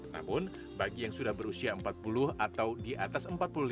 namun bagi yang sudah berusia empat puluh atau di atas empat puluh lima